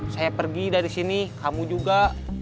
saya pergi dari sini kamu juga